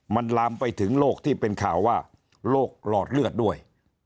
มันลามไปถึงโรคที่เป็นข่าวว่าโรคหลอดเลือดด้วย